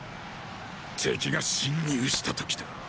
敵が侵入した時だ。